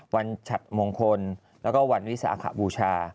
ฉัดมงคลแล้วก็วันวิสาขบูชา